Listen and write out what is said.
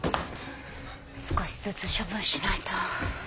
少しずつ処分しないと。